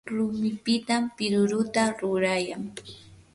rumipitam piruruta rurayan.